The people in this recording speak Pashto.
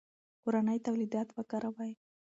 کورني تولیدات وکاروئ.